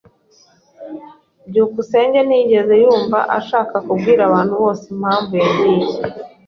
byukusenge ntiyigeze yumva ashaka kubwira abantu bose impamvu yagiye.